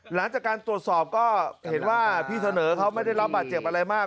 หลังจากการตรวจสอบก็เห็นว่าพี่เสนอเขาไม่ได้รับบาดเจ็บอะไรมาก